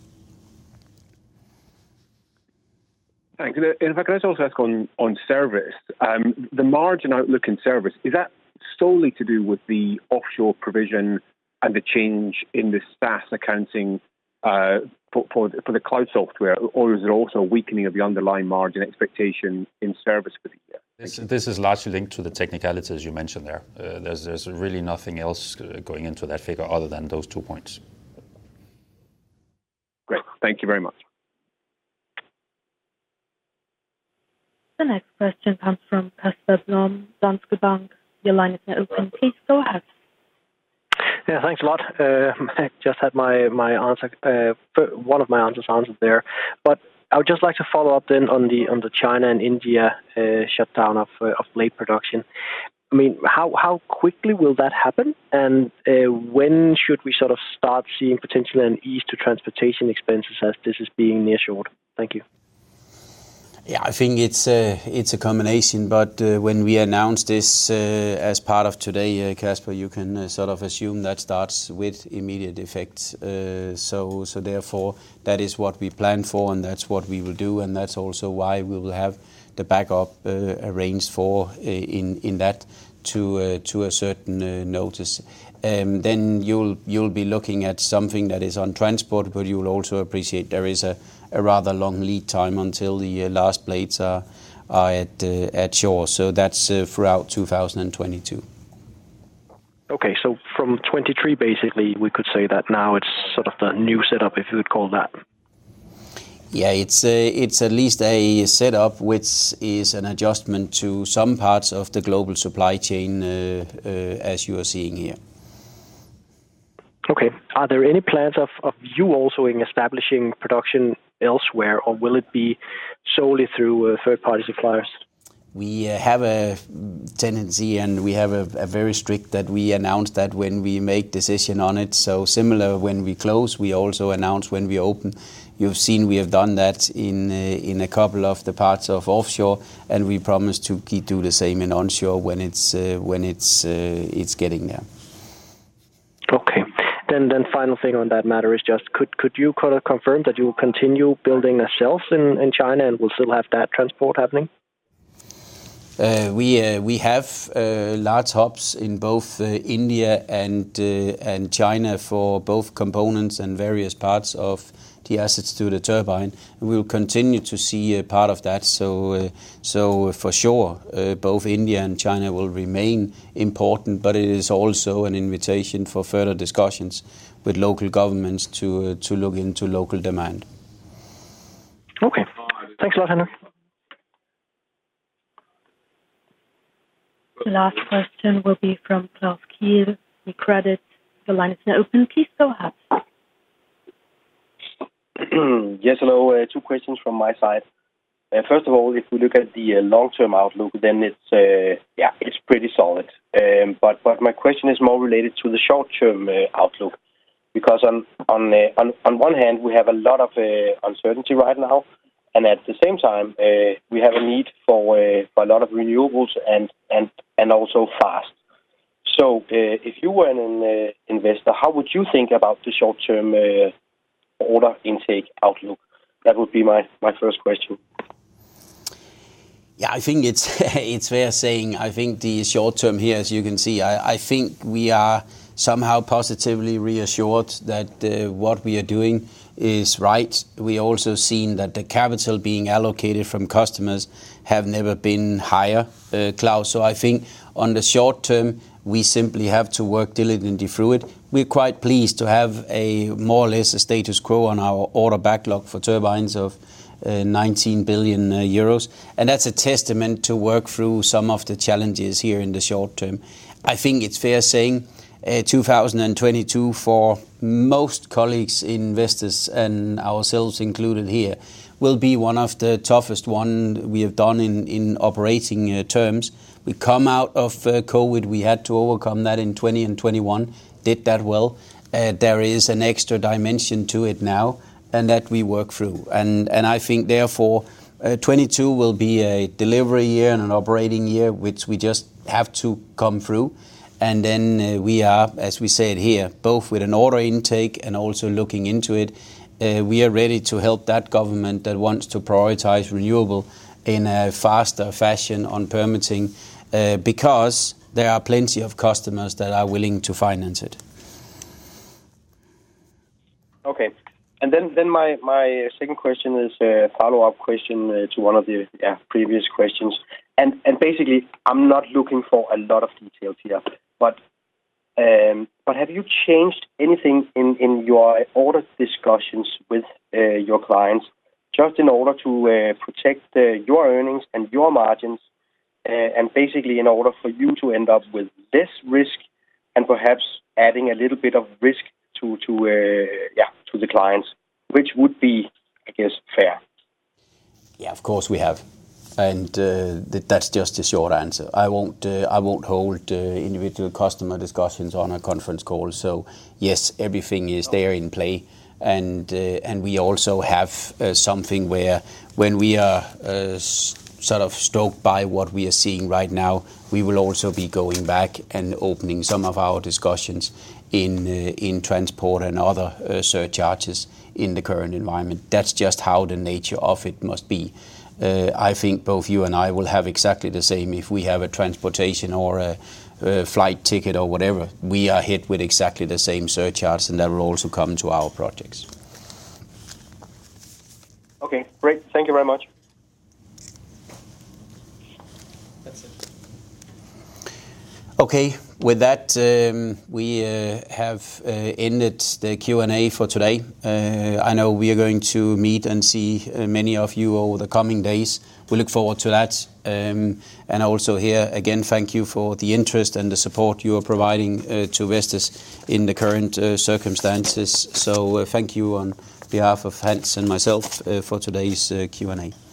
Thanks. If I could also ask on service. The margin outlook in service, is that solely to do with the offshore provision and the change in the SaaS accounting, for the cloud software or is it also a weakening of the underlying margin expectations in service for the year? Thank you. This is largely linked to the technicalities you mentioned there. There's really nothing else going into that figure other than those two points. Great. Thank you very much. The next question comes from Casper Blom, Danske Bank. Your line is now open. Please go ahead. Yeah, thanks a lot. I just had my answer, one of my answers answered there. I would just like to follow up then on the China and India shutdown of blade production. I mean, how quickly will that happen? And when should we sort of start seeing potentially an ease to transportation expenses as this is being nearshore? Thank you. Yeah, I think it's a combination, but when we announce this as part of today, Casper, you can sort of assume that starts with immediate effect. Therefore, that is what we plan for, and that's what we will do, and that's also why we will have the backup arranged for in advance to a certain notice. You'll be looking at something that is in transport, but you will also appreciate there is a rather long lead time until the last blades are at shore. That's throughout 2022. Okay. From 2023, basically, we could say that now it's sort of the new setup, if you would call that. Yeah. It's at least a setup which is an adjustment to some parts of the global supply chain, as you are seeing here. Okay. Are there any plans of you also in establishing production elsewhere, or will it be solely through third-party suppliers? We have a tendency, and we have a very strict that we announce that when we make decision on it. Similar when we close, we also announce when we open. You've seen we have done that in a couple of the parts of offshore, and we promise to keep doing the same in onshore when it's getting there. Okay. Final thing on that matter is just could you kind of confirm that you will continue building the shelves in China and will still have that transport happening? We have large hubs in both India and China for both components and various parts of the assets to the turbine. We'll continue to see a part of that. For sure, both India and China will remain important, but it is also an invitation for further discussions with local governments to look into local demand. Okay. Thanks a lot, Henrik. The last question will be from Claus Almer, Credit Suisse. The line is now open. Please go ahead. Yes, hello. Two questions from my side. First of all, if we look at the long-term outlook, then it's pretty solid. But my question is more related to the short-term outlook. Because on one hand, we have a lot of uncertainty right now, and at the same time, we have a need for a lot of renewables and also fast. If you were an investor, how would you think about the short-term order intake outlook? That would be my first question. Yeah, I think it's fair saying I think the short term here, as you can see, I think we are somehow positively reassured that what we are doing is right. We've also seen that the capital being allocated from customers have never been higher, Claus. I think on the short term, we simply have to work diligently through it. We're quite pleased to have a more or less status quo on our order backlog for turbines of 19 billion euros. That's a testament to work through some of the challenges here in the short term. I think it's fair saying 2022 for most colleagues, investors, and ourselves included here, will be one of the toughest one we have done in operating terms. We come out of COVID. We had to overcome that in 2020 and 2021. Did that well. There is an extra dimension to it now, and that we work through. I think therefore, 2022 will be a delivery year and an operating year, which we just have to come through. Then, we are, as we said here, both with an order intake and also looking into it, we are ready to help that government that wants to prioritize renewable in a faster fashion on permitting, because there are plenty of customers that are willing to finance it. Okay. My second question is a follow-up question to one of the previous questions. Basically, I'm not looking for a lot of details here. Have you changed anything in your order discussions with your clients just in order to protect your earnings and your margins and basically in order for you to end up with this risk and perhaps adding a little bit of risk to the clients, which would be, I guess, fair? Yeah, of course we have. That's just the short answer. I won't hold individual customer discussions on a conference call. Yes, everything is there in play. We also have something where when we are sort of stoked by what we are seeing right now, we will also be going back and opening some of our discussions in transport and other surcharges in the current environment. That's just how the nature of it must be. I think both you and I will have exactly the same if we have a transportation or a flight ticket or whatever. We are hit with exactly the same surcharges, and that will also come to our projects. Okay, great. Thank you very much. That's it. Okay. With that, we have ended the Q&A for today. I know we are going to meet and see many of you over the coming days. We look forward to that. Also here, again, thank you for the interest and the support you are providing to Vestas in the current circumstances. Thank you on behalf of Hans and myself for today's Q&A.